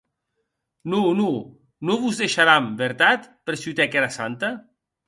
Non, non vos deisharam, vertat?, persutèc era santa.